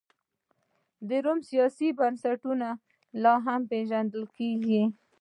د روم سیاسي بنسټونه لا هم پېژندل کېږي.